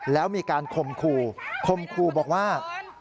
แล้วมีการคมคู่คมคู่บอกว่า